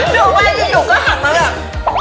เดี๋ยวก็มาอยู่ก็หันมาแบบ